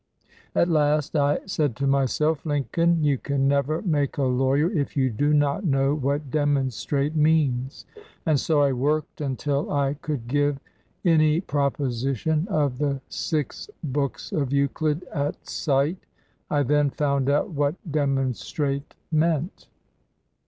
At last I said to myself, 'Lincoln, you can never make a lawyer if you do not know what "demonstrate" means,' and so I worked until I could give any proposi tion of the six books of Euclid at sight. I then found out what 'demonstrate' meant."